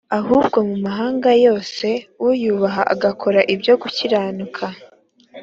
ahubwo mu mahanga yose uyubaha agakora ibyo gukiranuka